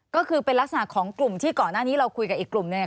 ก็คือเป็นลักษณะของกลุ่มที่ก่อนหน้านี้เราคุยกับอีกกลุ่มหนึ่ง